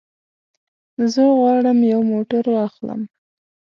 زه غواړم یو موټر واخلم.